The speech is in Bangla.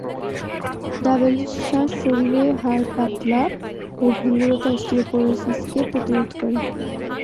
ডাবের শাঁস শরীরের হাড় পাতলা ও ভঙ্গুরতা, অস্টিওপোরোসিসকে প্রতিরোধ করে।